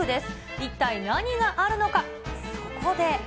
一体何があるのか、そこで。